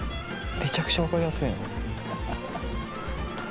めちゃくちゃ分かりやすいな。